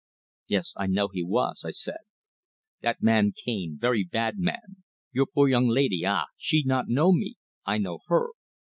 "Yes, I know he was," I said. "That man Cane very bad man. Your poor young laidee ah? She not know me. I know her.